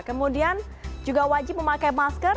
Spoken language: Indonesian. kemudian juga wajib memakai masker